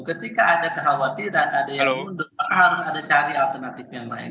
ketika ada kekhawatiran ada yang mundur maka harus ada cari alternatif yang lain